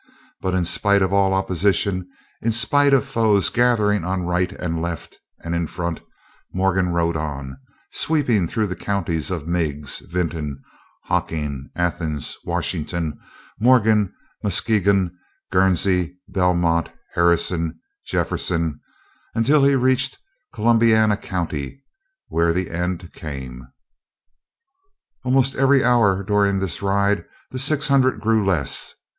But in spite of all opposition, in spite of foes gathering on right and left and in front, Morgan rode on, sweeping through the counties of Meigs, Vinton, Hocking, Athens, Washington, Morgan, Muskingum, Guernsey, Belmont, Harrison, Jefferson, until he reached Columbiana County, where the end came. At almost every hour during this ride the six hundred grew less.